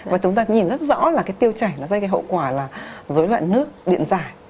và chúng ta nhìn rất rõ là tiêu chảy dây cái hậu quả là dối loạn nước điện giải